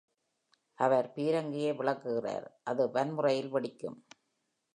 அவர் பீரங்கியை விளக்குகிறார், அது வன்முறையில் வெடிக்கும்.